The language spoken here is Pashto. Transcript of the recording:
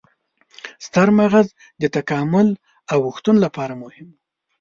ستر مغز د تکاملي اوښتون لپاره مهم و.